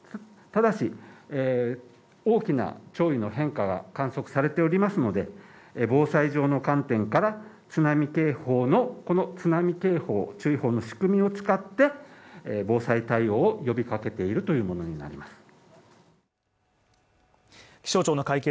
ただし大きな潮流の変化が観測されておりますので防災上の観点から、津波警報のこの津波警報注意報の仕組みを使って、防災対応を呼び掛けているというものになります